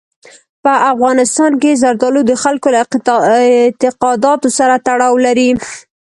په افغانستان کې زردالو د خلکو له اعتقاداتو سره تړاو لري.